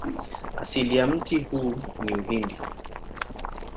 Asili ya mti huu ni Uhindi.